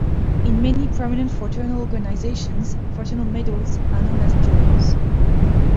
In many prominent fraternal organisations, fraternal medals are known as "jewels".